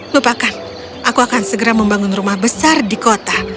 lupakan aku akan segera membangun rumah besar di kota